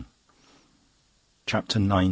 CHAPTER XIX.